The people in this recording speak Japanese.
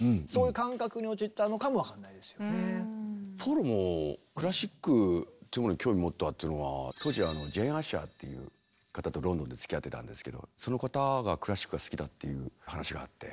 ポールもクラシックっていうものに興味を持ったっていうのは当時ジェーン・アッシャーっていう方とロンドンでつきあってたんですけどその方がクラシックが好きだっていう話があって。